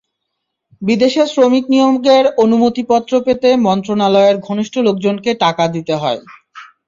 বিদেশে শ্রমিক নিয়োগের অনুমতিপত্র পেতে মন্ত্রণালয়ের ঘনিষ্ঠ লোকজনকে টাকা দিতে হয়।